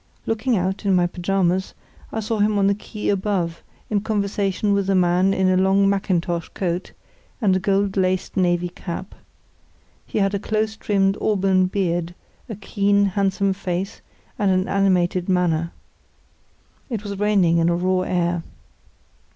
Looking out, in my pyjamas, I saw him on the quay above in conversation with a man in a long mackintosh coat and a gold laced navy cap. He had a close trimmed auburn beard, a keen, handsome face, and an animated manner. It was raining in a raw air.